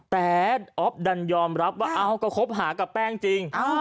แต่อ๊อฟดันยอมรับว่าก็คบหากับแป้งจริง